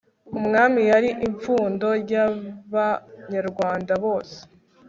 umwami yari ipfundo ry'abanyarwanda bose